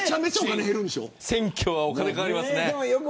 選挙はお金かかりますね。